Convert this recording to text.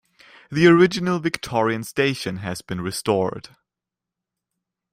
The original Victorian station has been restored.